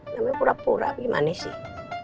namanya pura pura gimana sih